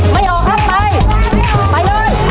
ไม่ออกไป